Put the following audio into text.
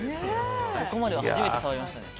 ここまでは初めて触りました。